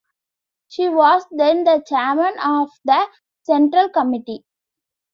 She was then the chairman of the Central Committee.